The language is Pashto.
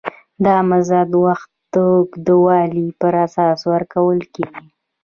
دا مزد د وخت د اوږدوالي پر اساس ورکول کېږي